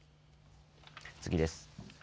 次です。